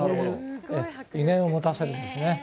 威厳を持たせるんですね。